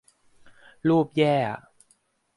รูปแย่อ่ะ